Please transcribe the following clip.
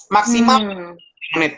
maksimal enam puluh menit